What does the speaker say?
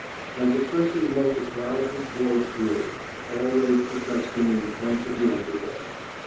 As oppression multiplied his voice grew, always protesting in defence of the under dog.